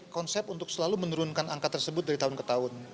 konsep untuk selalu menurunkan angka tersebut dari tahun ke tahun